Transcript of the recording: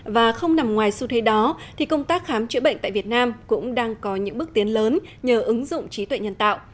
và không nằm ngoài xu thế đó thì công tác khám chữa bệnh tại việt nam cũng đang có những bước tiến lớn nhờ ứng dụng trí tuệ nhân tạo